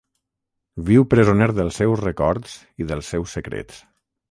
Viu presoner dels seus records i dels seus secrets.